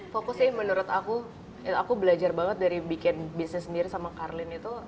fokusnya menurut aku aku belajar banget dari bikin bisnis sendiri sama karlyn itu